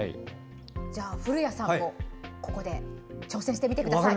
じゃあ古谷さんもここで挑戦してみてください。